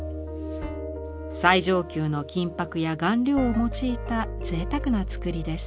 最上級の金箔や顔料を用いた贅沢な作りです。